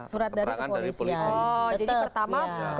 surat dari kepolisian jadi pertama